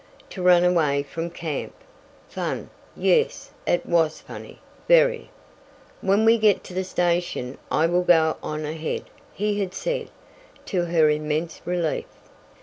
To run away from camp! Fun! Yes, it was funny, very "When we get to the station I will go on ahead," he had said, to her immense relief.